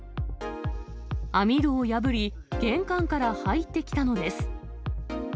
網戸を破り、玄関から入ってきたのです。